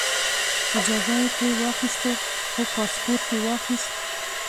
اجازه یې ترې واخیسته خو پاسپورټ یې واخیست.